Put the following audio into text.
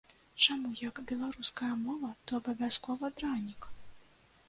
Чаму як беларуская мова, то абавязкова дранік?